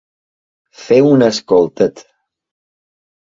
Fer un escoltet.